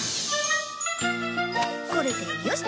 これでよし！